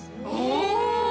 お！